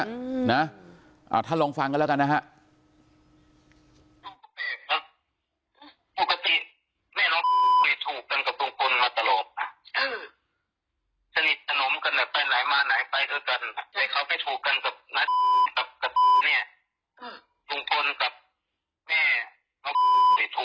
อืมนะท่านลองฟังกันแล้วกันนะฮะ